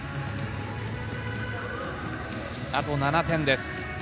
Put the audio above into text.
あと７点です。